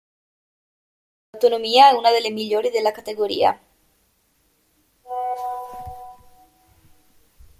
L'autonomia è una delle migliori della categoria.